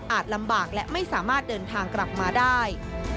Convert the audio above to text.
ลำบากและไม่สามารถเดินทางกลับมาได้